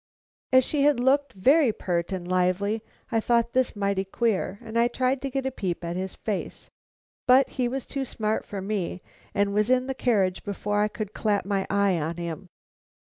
As she had looked very pert and lively, I thought this mighty queer, and I tried to get a peep at his face, but he was too smart for me, and was in the carriage before I could clap my eye on him."